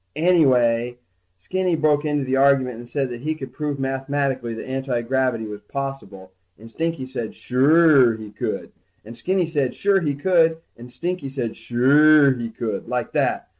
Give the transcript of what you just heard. Anyway, Skinny broke into the argument and said that he could prove mathematically that antigravity was possible, and Stinky said suure he could, and Skinny said sure he could, and Stinky said suuure he could, like that.